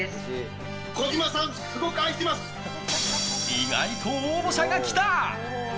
意外と応募者が来た！